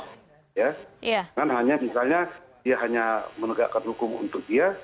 dengan hanya misalnya dia hanya menegakkan hukum untuk dia